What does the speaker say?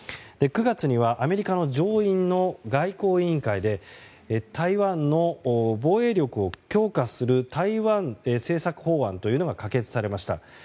９月にはアメリカの上院の外交委員会で台湾の防衛力を強化する台湾政策法案が可決されました。